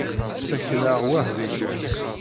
Ssakleɣ weḥd-i kan.